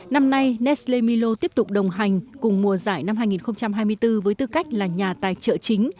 năm nay nesle milo tiếp tục đồng hành cùng mùa giải năm hai nghìn hai mươi bốn với tư cách là nhà tài trợ chính